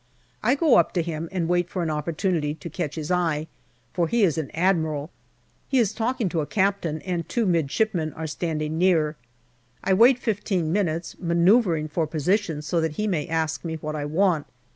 I go up to him and wait for an opportunity to catch his eye ; for he is an Admiral. He is talking to a Captain, and two midship men are standing near. I wait fifteen minutes, manoeuvring for position so that he may ask me what I want.